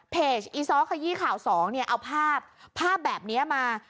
อีซ้อขยี้ข่าวสองเนี่ยเอาภาพภาพแบบนี้มา